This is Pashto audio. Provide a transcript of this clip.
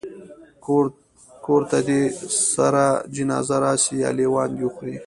کور ته دي سره جنازه راسي یا لېوان دي وخوري